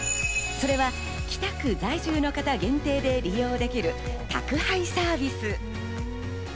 それは北区在住の方限定で利用できる宅配サービス。